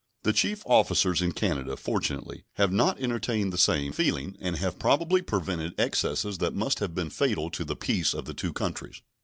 The chief officers in Canada, fortunately, have not entertained the same feeling, and have probably prevented excesses that must have been fatal to the peace of the two countries.